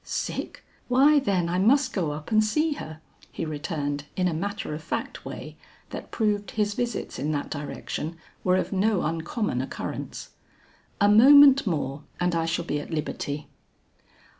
"Sick! why then I must go up and see her," he returned in a matter of fact way that proved his visits in that direction were of no uncommon occurrence. "A moment more and I shall be at liberty."